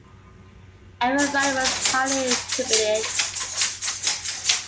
Everybody was highly jubilant.